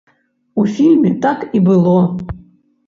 У фільме так і было!